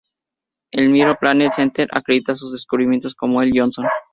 El Minor Planet Center acredita sus descubrimientos como E. L. Johnson.